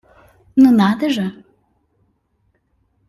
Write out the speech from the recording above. Ну надо же!